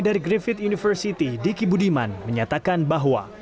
dari griffith university diki budiman menyatakan bahwa